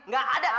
gak ada be